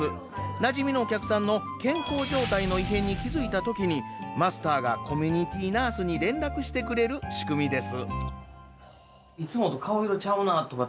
なじみのお客さんの健康状態の異変に気付いたときにマスターがコミュニティナースに連絡してくれる仕組みです。